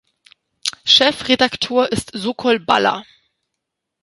Chefredaktor ist Sokol Balla.